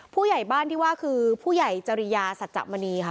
ผู้ใหญ่บ้านที่ว่าคือผู้ใหญ่จริยาสัจจะมณีค่ะ